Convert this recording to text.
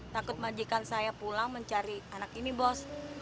takut majikan saya pulang mencari anak ini bos